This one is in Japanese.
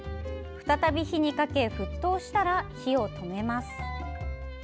再び火にかけ沸騰したら火を止めます。